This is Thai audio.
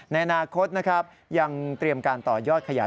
ในอนาคตนะครับยังเตรียมการต่อยอดขยาย